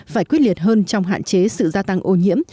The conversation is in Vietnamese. phải quyết liệt hơn trong hạn chế sự gia tăng ô nhiễm